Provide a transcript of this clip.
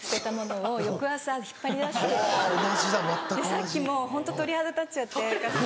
さっきもうホント鳥肌立っちゃって。